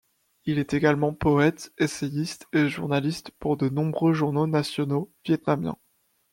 Elle est également poète essayiste et journaliste pour de nombreux journaux nationaux vietnamiens.